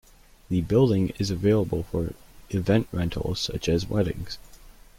The building is available for event rentals, such as weddings.